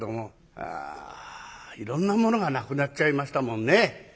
あいろんなものがなくなっちゃいましたもんね。